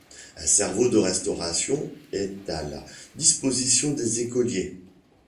Un service de restauration est à la disposition des écoliers.